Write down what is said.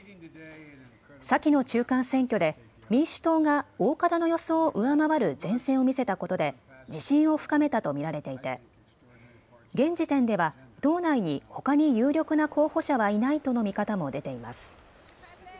先の中間選挙で民主党が大方の予想を上回る善戦を見せたことで自信を深めたと見られていて現時点では党内にほかに有力な候補者はいないとの見方も出ています。